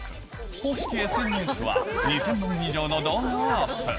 公式ＳＮＳは２０００本以上の動画をアップ。